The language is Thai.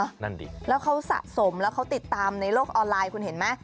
นั่นดิแล้วเขาสะสมแล้วเขาติดตามในโลกออนไลน์คุณเห็นไหม